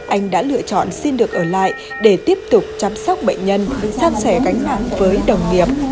anh đã lựa chọn xin được ở lại để tiếp tục chăm sóc bệnh nhân san sẻ gánh nặng với đồng nghiệp